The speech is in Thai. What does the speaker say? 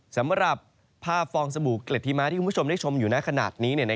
สำหรับภาพฟองสบู่เกล็ดหิมะที่คุณผู้ชมได้ชมอยู่ในขณะนี้